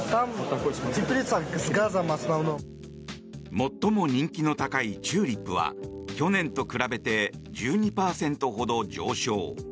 最も人気の高いチューリップは去年と比べて１２％ほど上昇。